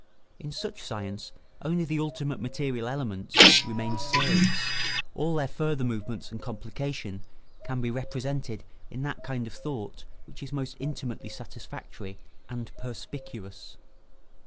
In such science only the ultimate material elements remain surds; all their further movement and complication can be represented in that kind of thought which is most intimately satisfactory and perspicuous.